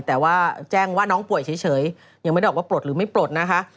แต่ว่าแจ้งว่าน้องป่วยเฉยยังไม่ได้ออกว่าปลดหรือไม่ปลดนะคะ